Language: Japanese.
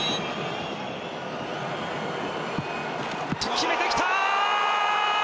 決めてきた！